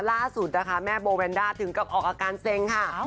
ล่าสุดนะคะแม่โบแวนด้าถึงกับออกอาการเซ็งค่ะ